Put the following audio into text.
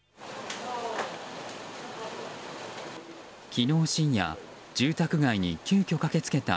昨日深夜、住宅街に急きょ駆け付けた